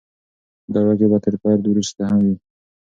دا واقعیت به تر فرد وروسته هم وي.